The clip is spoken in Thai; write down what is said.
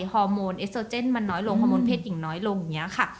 ฮอร์โมนเอสโซเจนมันน้อยลงฮอร์โมนเพศหญิงน้อยลงอย่างนี้ค่ะ